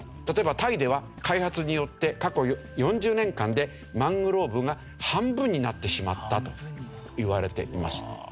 例えばタイでは開発によって過去４０年間でマングローブが半分になってしまったといわれています。